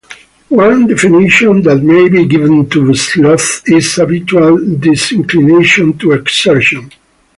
One definition that may be given to sloth is habitual disinclination to exertion.